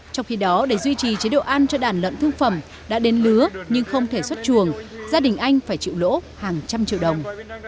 trong khi đó để duy trì chế độ ăn cho đàn lợn thương phẩm đã đến lứa nhưng không thể xuất chuồng gia đình anh phải chịu lỗ hàng trăm triệu đồng